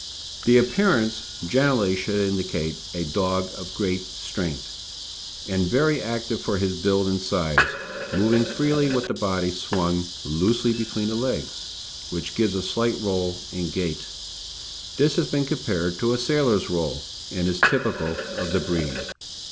The appearance generally should indicate a dog of great strength, and very active for his build and size, moving freely with the body swung loosely between the legs, which gives a slight roll in gait. This has been compared to a sailor's roll, and is typical of the breed.